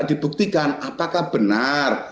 dibuktikan apakah benar